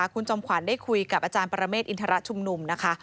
คุณจอมขวัญได้คุยกับอาจารย์ปรเมฆอินทรชุมนุมนะคะ